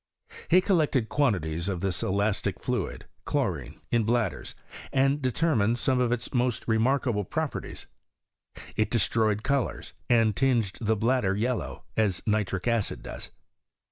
He col lected quantities of this elastic fluid (chlorine) in bladders, and determined some of its most remarka ble properties : it destroyed colours, and tinged the bladder yellow, as nitric acid does.